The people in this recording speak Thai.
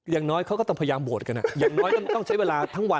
อย่างน้อยเขาก็ต้องพยายามโหวตกันอย่างน้อยต้องใช้เวลาทั้งวัน